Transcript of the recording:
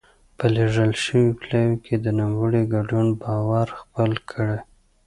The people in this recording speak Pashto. په لېږل شوي پلاوي کې د نوموړي ګډون باور خپل کړي.